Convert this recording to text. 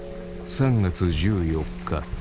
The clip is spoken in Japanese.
３月１４日